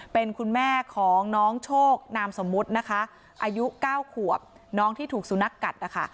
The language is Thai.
เป็นคุณแม่ของน้องโชคนามสมมุตินะคะอายุ๙ขวบน้องที่ถูกสุนัขกัดนะคะ